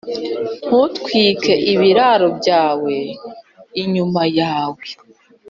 ntutwike ibiraro byawe inyuma yawe